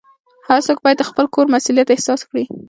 هر څوک باید د خپل کور مسؤلیت احساس کړي.